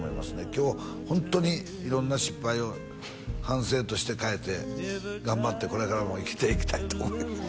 今日ホントに色んな失敗を反省として変えて頑張ってこれからも生きていきたいと思います